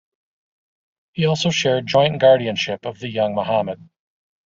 He also shared joint guardianship of the young Muhammad.